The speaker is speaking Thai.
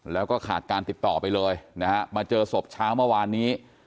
แล้วก็ขาดการติดต่อไปเลยนะฮะมาเจอศพเช้าเมื่อวานนี้